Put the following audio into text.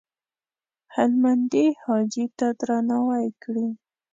هلمندي حاجي ته ورنارې کړې.